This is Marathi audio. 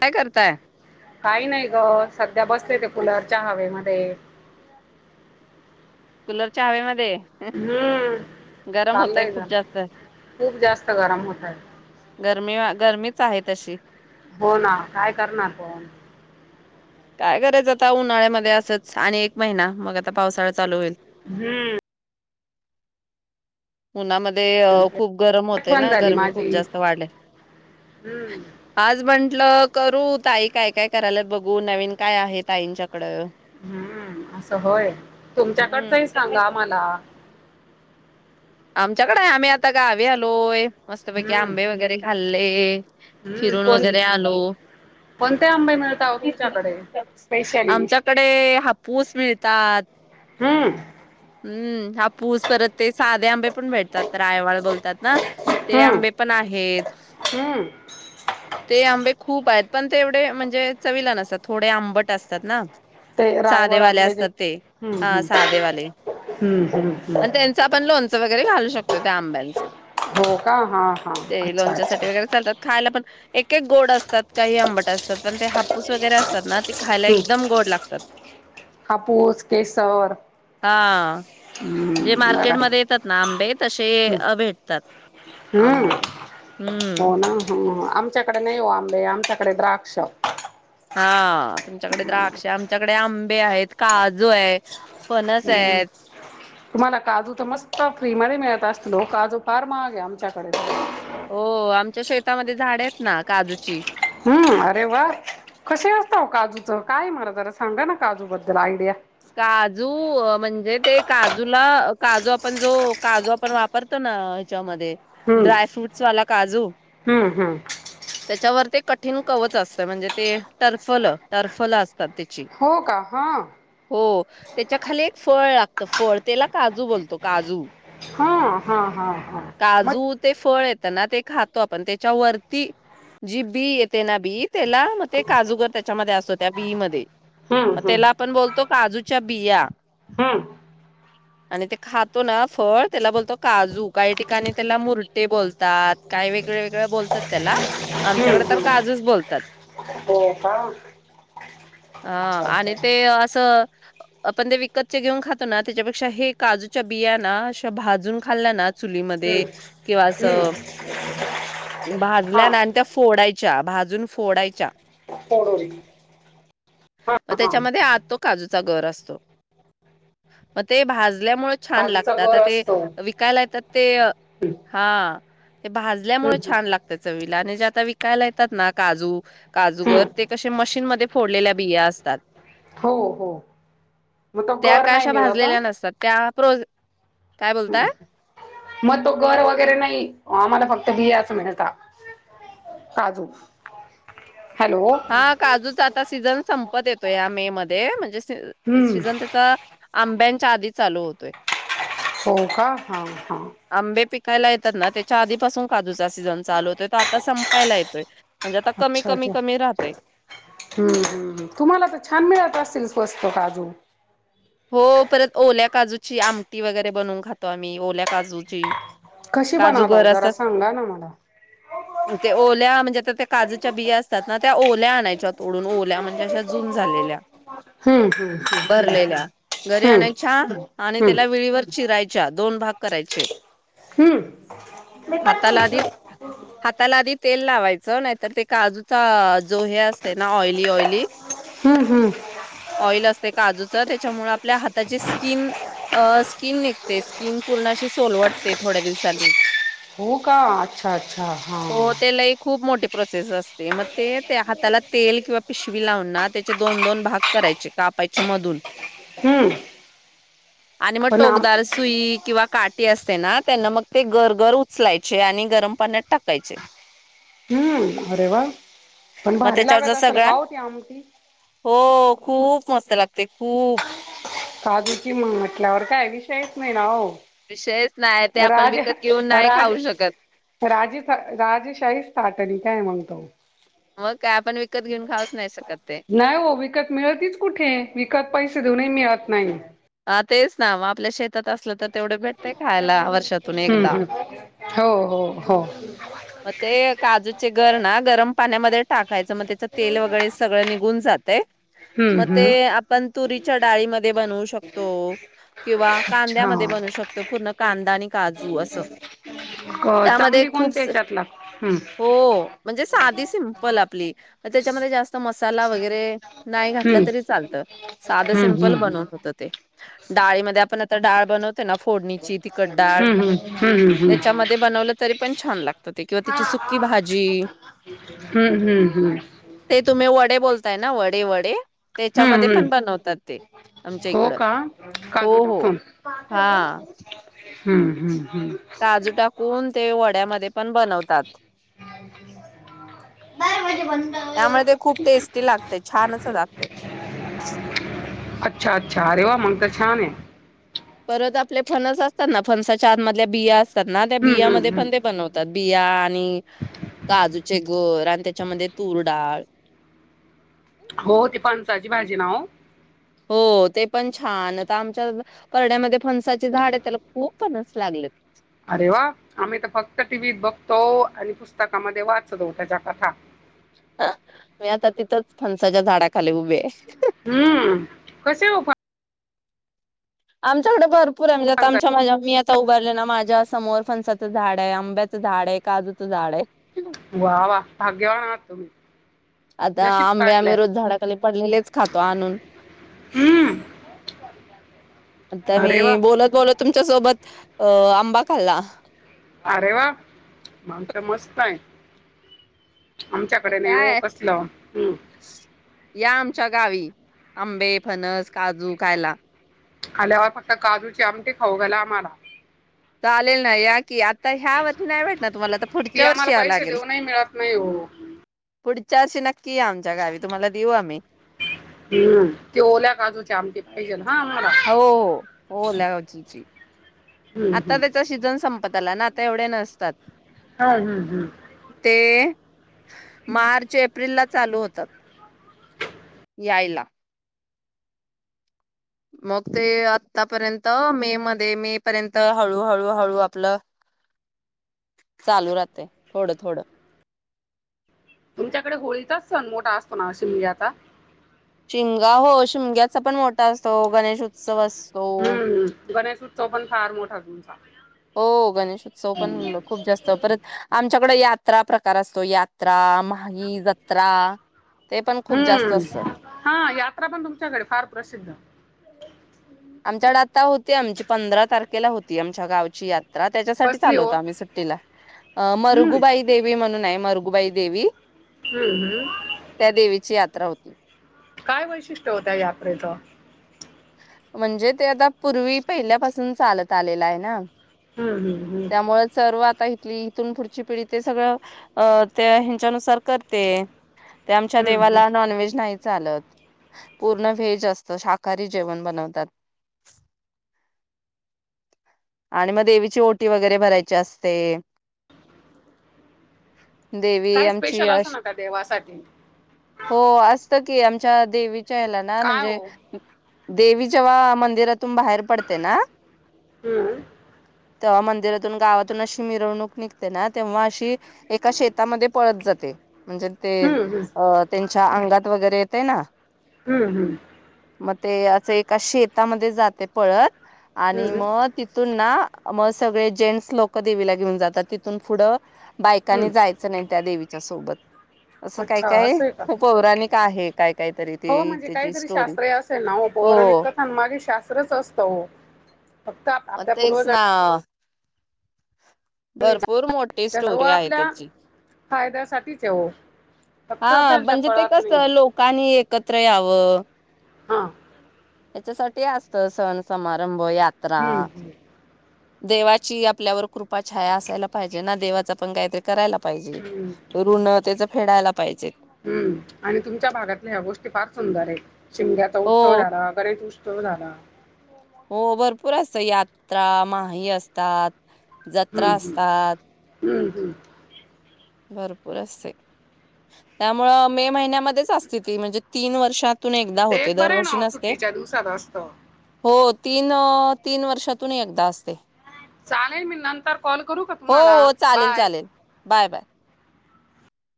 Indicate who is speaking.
Speaker 1: काय करताय?
Speaker 2: काही नाही ग सध्या बसले ते कुलरच्या हवेमध्ये.
Speaker 1: कुलरच्या हवेमध्ये
Speaker 2: हम्म
Speaker 1: गरम होतय
Speaker 2: चाललंय
Speaker 1: खूप
Speaker 2: ग
Speaker 1: जास्त.
Speaker 2: खूप जास्त गरम होतय.
Speaker 1: गरमी गरमीच आहे तशी?
Speaker 2: हो ना काय करणार पण
Speaker 1: काय करायचं आता उन्हाळ्यामध्ये असंच आणि एक महिना मग आता पावसाळा चालू होईल.
Speaker 2: हम्म
Speaker 1: उन्हामध्ये ते खूप गरम होते
Speaker 2: आठवण
Speaker 1: ना
Speaker 2: झाली
Speaker 1: गर्मी खूप
Speaker 2: माझी
Speaker 1: जास्त वाढले
Speaker 2: हम्म
Speaker 1: आज पण ल करू, ताई काय काय कराल्यात बघ गु नवीन काय आहे ताईंच्या
Speaker 2: हम्म असं होय,
Speaker 1: हम्म.
Speaker 2: तुमच्याकडचही सांगा मला
Speaker 1: आमच्याकड आमी आता गावी आलोय. मस्तपैकी
Speaker 2: हम्म
Speaker 1: आंबे वगैरे खाल्ले,
Speaker 2: हम्म
Speaker 1: फिरून
Speaker 2: कोण
Speaker 1: वगैरे आलो,
Speaker 2: कोणते आंबे मिळता हो तुमच्याकडे
Speaker 1: [unintelligible]
Speaker 2: स्पेशली
Speaker 1: आमच्याकडे हापूस मिळतात,
Speaker 2: हम्म
Speaker 1: हम्म हापूस परत ते सार पण भेटतात रायवाल बोलतात. ना ते
Speaker 2: हम्म
Speaker 1: आंबे पण आहेत,
Speaker 2: हम्म
Speaker 1: ते आंबे खूप आयत. पण तेवढे म्हणजे चवीला नसतात, थोडे आंबट असतात ना
Speaker 2: ते रायवळ
Speaker 1: साधेवाले
Speaker 2: आंबे जे
Speaker 1: असतात ते,
Speaker 2: हम्म
Speaker 1: हा
Speaker 2: हम्म
Speaker 1: साधेवाले
Speaker 2: हम्म हम्म हम्म
Speaker 1: पण तेंच आपण लोन गरे घालू शकतोय त्या आंब्यांचं
Speaker 2: हो का? हा हा
Speaker 1: ते
Speaker 2: अच्छा
Speaker 1: लोणच्यासाठी
Speaker 2: अच्छा!
Speaker 1: वगैरे चालतात खायला पण एक एक गोड असतात, काही आंबट असतात, पण ते हापूस वगैरे असतात ना ते खायला
Speaker 2: हम्म
Speaker 1: एकदम गोड लागतात,
Speaker 2: हापूस केसर
Speaker 1: हा जे
Speaker 2: हम्म बरा
Speaker 1: मार्केटमध्ये येतात. आंबे तसे अ भेटतात,
Speaker 2: हम्म
Speaker 1: आंबे हम्म
Speaker 2: हो ना आमच्याकडे नाही ओ आंबे आमच्याकडे द्राक्ष
Speaker 1: हा तुमच्याकडे द्राक्षे आमच्याकडे आंबे आहेत, काजू आय.
Speaker 2: हम्म तुम्हाला काजू तर मस्त फ्री मध्ये मिळत अस लओ काजू फार महागे आमच्याकडे [unintelligible]
Speaker 1: हो आमच्या शेतामध्ये झाड येत ना काजूची
Speaker 2: हम् अरे वा! कसे असता व काजूचं? काय मरा जरा सांगा ना काजूबद्दल आयडिया
Speaker 1: काजू अ म्हणजे ते काजूला, अ काजू आपण जो काजू आपण वापरतो ना ह्याच्याम दे
Speaker 2: हम्म
Speaker 1: ड्रायफ्रुट्स वाला काजू,
Speaker 2: हम्म हम्म
Speaker 1: त्याच्यावर ते कठीण कवच असत म्हणजे ते टर्फल टर्फल अस
Speaker 2: हो का? हा
Speaker 1: हो त्याच्या खाली एक फळ लाग त फळ तेला काजू बोलतो काजू
Speaker 2: हा हा हा हा म
Speaker 1: त्यांना ते खातो आपण, त्याच्या वरती जी बी येते ना बी, त्याला म ते काजूगर त्याच्यामध्ये असतो त्या बी मध्ये
Speaker 2: हम्म
Speaker 1: म
Speaker 2: हम्म
Speaker 1: त्याला आपण बोल जूच्या बिया
Speaker 2: हम्म
Speaker 1: आणि ते खातो ना फळ त्याला बोलतो काजू, काही ठिकाणी त्याला मुर्टे बोलतात, काही वेगळ वेगळ बोलतात त्याला
Speaker 2: हम्म
Speaker 1: आमच्याकड तर
Speaker 2: हम्म
Speaker 1: काजूच बोलतात,
Speaker 2: हो का
Speaker 1: हा
Speaker 2: अच्छा
Speaker 1: आणि
Speaker 2: अच्छा
Speaker 1: ते अस त आपण ते विकतचे घेऊन खातो ना, त्याच्यापेक्षा हे काजूच्या बिया ना, अशा भाजून खाल्ल्या ना
Speaker 2: हम्म
Speaker 1: चुलीमध्ये किंवा अस
Speaker 2: हम्म
Speaker 1: भाजल्या
Speaker 2: हा
Speaker 1: ना अन त्या फोडाय च्या भाजून फोडायच्या.
Speaker 2: फोडून. हा. हा.
Speaker 1: काजु चा गर असतो. म ते भाज ल्यामुळे छान
Speaker 2: काजूचा
Speaker 1: लागतात आ
Speaker 2: गर
Speaker 1: ते
Speaker 2: असतो.
Speaker 1: विकायला येतात. ते, हा. ते भाजल्यामुळे
Speaker 2: हम्म
Speaker 1: छान लागता. चवीत नाने जे आता विकायला येतात ना. काजू,
Speaker 2: हम्म
Speaker 1: काजूगर ते कसे मशीन मध्ये फोडलेल्या बिया असतात.
Speaker 2: हो हो मग तो
Speaker 1: त्या
Speaker 2: गर
Speaker 1: का
Speaker 2: नाही
Speaker 1: अशा
Speaker 2: मिळत हा.
Speaker 1: भाजलेल्या नसतात. त्या प्रोज काय बोलताय?
Speaker 2: मग तो गर वगैरे नाही आम्हाला फक्त बियाच मिळता. काजू हॅलो
Speaker 1: हा काजूचा आता सीझन संपत येतो या मे म ते म्हणजे ते
Speaker 2: हम्म
Speaker 1: सिजन त्याचा आंब्यान आधी चालू होतोय.
Speaker 2: हो का? हा. हा.
Speaker 1: कायला येतात ना त्याच्या आधीपासून काजूचा सीझन चालू होतोयो. आता संपायला येतोय. म्हणजे आता कमी
Speaker 2: अच्छा
Speaker 1: कमी
Speaker 2: अच्छा
Speaker 1: कमी राह
Speaker 2: हम्म. हम्. तुम्हाला तर छान मिळत असेल. मस्त काजू
Speaker 1: हो परत ओल्या काजूची आमटी वगैरे बनवून खातो आम्ही. ओल्या काजूची.
Speaker 2: कशी
Speaker 1: काजू
Speaker 2: बनवता ओ
Speaker 1: घर
Speaker 2: जरा
Speaker 1: असतात.
Speaker 2: सांगा ना मला
Speaker 1: ते ओल्या म्हणजे आता त्या काजूच्या बिया असतात. ना त्या ओल्या आणायच्या तोडून ओल्या म्हणजे अशा जून झालेल्या.
Speaker 2: हम्म. हम्म. हम.
Speaker 1: भरलेल्या घरी आणायछ्या आणि तेला वेळीवर चिरायच्या, दोन भाग करायचे.
Speaker 2: हम्म
Speaker 1: हाताला
Speaker 2: हम्म
Speaker 1: आदी, हाताला आदी तेल लावायचं, नाहीतर ते काजूचा जो हे असतय ना ऑइली ऑइली
Speaker 2: हम्म हम्म
Speaker 1: ऑइल असते काजू [unintelligible] च्यामुळात पल्या हाताची स्किन अ स्किन निघते. स्किन पूर्णशी सोलवटते थोड्या दिवसाांनी.
Speaker 2: हो का अच्छा अच्छा हा
Speaker 1: हो ते लई खूप मोठी प्रोसेस असते मग ते त्या हाताला तेल किंवा पिशवी लावून ना त्याचे दोन दोन भाग करायचे कापायचे मधून
Speaker 2: हम्म
Speaker 1: आणि मग
Speaker 2: पण आम
Speaker 1: टोकदार सुई किंवा काट टी असते ना त्यांना मग ते गर गर उचलायचे आणि गरम पाण्यात टाकायचे.
Speaker 2: हम्म अरे वा पण
Speaker 1: मग
Speaker 2: भारी लागत
Speaker 1: त्याच्यावरचा
Speaker 2: असेल
Speaker 1: सगळा
Speaker 2: का होती आमठी
Speaker 1: हो खूप मस्त लागते. खूप
Speaker 2: काजू कि म्हटल्यावर काय विषयच नाही ना हो
Speaker 1: श
Speaker 2: राज राज
Speaker 1: शकत.
Speaker 2: राज राजशाही स्थ तरी काय मागतो.
Speaker 1: मग काय आपण विकत घेऊन खाऊच नाही शकत ते.
Speaker 2: नाही हो विकत मिळतीच कुठे विकत पैसे दोनही मिळत नाही.
Speaker 1: हा तेच ना म आपल्या शेतात असल तर तेवढ भेटतय खायला वर्षातून
Speaker 2: हम्म
Speaker 1: एकदा
Speaker 2: हम्म हो हो हो
Speaker 1: मग ते काजूचे गर ना गरम पाण्यामध्ये टाक खायचं मग त्याच तेल वगैरे सगळं निघून जात.
Speaker 2: हम्म
Speaker 1: मग ते
Speaker 2: हम्म
Speaker 1: आपण तुरीच्या डाळी मध्ये बनवू शकतो. किंवा कांद्यामध्ये बनू
Speaker 2: अच्छा
Speaker 1: शकतो पूर्ण कांदा आणि काजू असं त्यामध्ये
Speaker 2: चांगली
Speaker 1: खूप
Speaker 2: कोणत्या याच्यात लाग हम्म
Speaker 1: हो म्हणजे साधी सिम्पल आपली त्याच्यामध्ये जास्त मसाला वगैरे नाही घातला तरी चालतं साधं
Speaker 2: हम्म
Speaker 1: सिम्पल
Speaker 2: हम्म
Speaker 1: बनवून होतं ते डाळीमध्ये आपण आता डाळ बनवतो. फोडणीची तिखट डाळ
Speaker 2: हम्म हम्म हम्म
Speaker 1: त्याच्यामध्ये बनवलं तरी पण छान लाग किंवा त्याची सुकी भाजी
Speaker 2: हम्म हम्म हम्म हम्म हम्म हम्म
Speaker 1: ते तुम्ही वड्या वडे बोलताय ना वडे वडे त्याच्यामध्ये
Speaker 2: हम्म
Speaker 1: पण
Speaker 2: हम्म
Speaker 1: बनवतात ते आमच्या
Speaker 2: हो
Speaker 1: इकडं
Speaker 2: का
Speaker 1: हो
Speaker 2: काजू
Speaker 1: हो
Speaker 2: टाकून
Speaker 1: हा
Speaker 2: हम्म हम्म
Speaker 1: काजू टाकून ते वड्यामध्ये पण बनवतात.
Speaker 2: बारा वाजे बंद
Speaker 1: त्यामुळे ते खूप टेस्टी लागते छानच च लागता
Speaker 2: अच्छा अच्छा अरे वा मंगत छान ये
Speaker 1: परत आपले फनस असतात ना फनसाच्या आतमधल्या बियास अस ना त्या
Speaker 2: हम्म हम्म
Speaker 1: बिमध्ये
Speaker 2: हम्म
Speaker 1: पण ते बनवतात बी या नी काजूचे गोर, आणि त्याच्यामध्ये तूर डाळ.
Speaker 2: हो ती फणसाची भाजी ना हो.
Speaker 1: हो ते पण छान, आता आमच्या परड्यामध्ये फणसाचे झाड हे, त्याला खूप फनस, लागलेत.
Speaker 2: अरे वा, आम्ही तर फक्त टीव्हीत बघतो आणि पुस्तकामध्ये, वाचतो त्याच्या कथा.
Speaker 1: मी आता तिथंच फणसाच्या, झाडाखाली उभी हे.
Speaker 2: हम्म कसे हो
Speaker 1: आमच्याकडे भर [unintelligible]
Speaker 2: फणसा
Speaker 1: आता उभी आहे ना माझ्या समोर फणसाचं झाड आहे, आंब्याचं झाड आहे, काजूचं झाड आहे.
Speaker 2: वा, वा भाग्यवान, आहात तुम्ही.
Speaker 1: आता
Speaker 2: नशीब
Speaker 1: आंबे आमी
Speaker 2: काढलंय
Speaker 1: रोज झाडाखाली पडलेलेच खातो आणून,
Speaker 2: हम्म
Speaker 1: आता
Speaker 2: अरे वा
Speaker 1: मी बोलत, बोलत, तुमच्या सोबत अ आंबा खाल्ला.
Speaker 2: अरे वा मगं त मस्त य. आमच्याकडे नाही हो
Speaker 1: काय
Speaker 2: कसलं हूं.
Speaker 1: या आमच्या गावी आंबे, फनस, काजू, खायला.
Speaker 2: आल्यावर फक्त काजूची, आमटी खाऊ घाला आम्हाला.
Speaker 1: चालेल ना या की आत ह्या वर्षी नाही भेटनार तुम्हाला, आता
Speaker 2: ती
Speaker 1: पुढच्या
Speaker 2: आम्हाला
Speaker 1: वर्षी यावं
Speaker 2: पैसे
Speaker 1: लागेल.
Speaker 2: देऊ नाही मिळत नाही हो
Speaker 1: पुढच्यार्षी नक्की या आमच्या गावी तुम्हाला देऊ आम्ही.
Speaker 2: हूं ते ओल्या काजूचे, आमटी पाहिजे ना.
Speaker 1: हो हो हो ल्यावचीजी.
Speaker 2: हम्म,
Speaker 1: आता
Speaker 2: हम्म.
Speaker 1: त्याचा शिजन संप त्याला ना आता एवढे नसतात.
Speaker 2: हा हं हं!
Speaker 1: ते मार्च, एप्रिल, ला चालू होतात यायला. मग ते आतापर्यंत मे मध्ये मे पर्यंत हळूहळू, हळू आपलं चालू राहते थोडं, थोड.
Speaker 2: तुमच्याकडे होळीचाच, सण मोठा असतो ना शिमग्या चा
Speaker 1: मं गा हो शिमग्याचा पण मोठा असतो, गणेश उत्सव अस
Speaker 2: हूं गणेशउत्स तो पण फार मोठा तुमचा.
Speaker 1: हो गणेशोत्सव पण
Speaker 2: हम्म.
Speaker 1: म्हणल परत आमच्या यात्रा प्रकार असतो यात्र आ म्हागी, जत्रा ते पण खूप जास्त असत.
Speaker 2: हम्म हा यात्रा पण तुमच्याकडे फार प्रसिद्ध
Speaker 1: आमच्या कड आाता होती आमची पंधरा तारखेला होती आमच्या गावची यात त्याच्यासाठी
Speaker 2: कसली
Speaker 1: आलो
Speaker 2: हो
Speaker 1: होतो. आम्ही सुट्टीला,
Speaker 2: हम्म
Speaker 1: मरगुबाई देवी म्हणून आहे. बाई देवी.
Speaker 2: हम्म, हम्म.
Speaker 1: त्या देवीची यात्रा. होती [inaudible]
Speaker 2: काय वैशिष्ट्य हो त्या यात्रेच?
Speaker 1: म्हणजे ते आता पूर्वी, पहिल्यापासून चालत आलेल आहे ना.
Speaker 2: हम्म, हम्म, हम्म.
Speaker 1: त्यामुळे सर्व आता की इथून पुढची पिढी ते सगळं, अ त्या हिच्यानुसार करते. ते आमच्या
Speaker 2: हम्म हम्म.
Speaker 1: देवाला नॉनव्हेज नाही चालत. पूर्ण वहेज असत शाकाहारी जेवण बनवतात. आणि मग देवीची ओटी, वगैरे भरायची असते. देवी
Speaker 2: काय
Speaker 1: आमची
Speaker 2: स्पेशल
Speaker 1: अ
Speaker 2: असं ना त्या देवासाठी
Speaker 1: हो असत की आम च्या देवी ला ना
Speaker 2: काय
Speaker 1: म्हणजे
Speaker 2: हो
Speaker 1: देवी जेव्हा मंदिरातून बाहेर पडते ना.
Speaker 2: हम्म
Speaker 1: तेव्हा मंदिरातून गावातून अशी मिरवणूक निघते ना, तेव्हा अशी एका शेतामध्ये पळत जाते. म्हणजे ते
Speaker 2: हम्म, हम्म.
Speaker 1: अ त्यांच्या अंग गात वगैरे येतेय ना.
Speaker 2: हम्म हम्म
Speaker 1: मग ते असं एका शेतामध्ये जाते पळत, आणि
Speaker 2: हम्म
Speaker 1: मग ना म सगळे जेंट्स लोक देवीला घेऊन जातात, तिथून पुढं
Speaker 2: हं.
Speaker 1: बायकांनी जायचं नाही त्या देवीच्या सोबत. असं
Speaker 2: अच्छा
Speaker 1: काय-काय
Speaker 2: असं आहे का?
Speaker 1: पौराणिक आहेत.
Speaker 2: हो म्हणजे काहीतरी शास्त्र असेल ना, हो पौरानिक कथान मागे शास्त्रच असतं हो. फक्त आप
Speaker 1: म
Speaker 2: आपल्या
Speaker 1: तेचं ना
Speaker 2: पूर्वजांनी
Speaker 1: भरपूर मोठी स्टोरी आहे त्याची.
Speaker 2: फायद्यासाठी आहे वो.
Speaker 1: हा म्हणजे ते कसं, लोकांनी एकत्र यावं
Speaker 2: हा
Speaker 1: याच्यासाठी असत सण समारंभ हो यात्रा
Speaker 2: हं, हं,
Speaker 1: देवाची आपल्यावर कृपा छाया असायला पाहिजे ना, देवाच पण काहीतरी करायला पाहिजे
Speaker 2: हं,
Speaker 1: ऋण त्यांच फेडायला पाहिजे.
Speaker 2: हुं आणि तुमच्या भागातल्या ह्या गोष्टी फार सुंदर येत. शिमग्याचा
Speaker 1: हो
Speaker 2: उत्सव झाला. गणेश उत्सव झाला.
Speaker 1: त यात्रा माही असतात. जत्रा असतात.
Speaker 2: हुं हुं
Speaker 1: भरपूर असतय त्यामुळ मे महिन्यामध्येच असते ती म्हणजे तीन वर्षात तुन एकदा
Speaker 2: ते
Speaker 1: होते.
Speaker 2: एक बरं आहे
Speaker 1: दरवर्षी
Speaker 2: ना ओ
Speaker 1: नसते.
Speaker 2: सुट्टीच्या दिवसात असतं.
Speaker 1: होत तीन तीन वर्षातून एकदा असते.
Speaker 2: चालेल मी नंतर कॉल करू का
Speaker 1: हो
Speaker 2: तुम्हाला?
Speaker 1: हो चालेल
Speaker 2: बाय
Speaker 1: चालेल बाय बाय